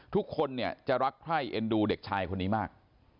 ทุกคนเนี่ยจะรักใคร่เอ็นดูเด็กชายคนนี้มาก